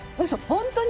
本当に？